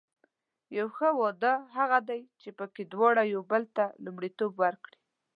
یو ښه واده هغه دی چې پکې دواړه یو بل ته لومړیتوب ورکړي.